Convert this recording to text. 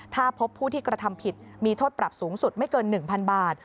ถ้าพบผู้ที่กระทำผิดมีโทษปรับสูงสุดไม่เกิน๑๐๐๐บาท